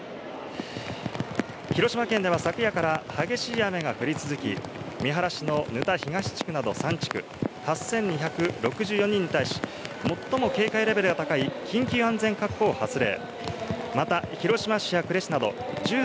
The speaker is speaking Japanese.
広島県では昨夜から激しい雨が降り続き、三原市の沼田東地区など３地区、８２６４人に対し最も警戒レベルが高い緊急安全確保を発令。